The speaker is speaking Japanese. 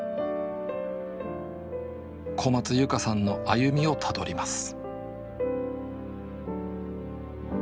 小松由佳さんの歩みをたどります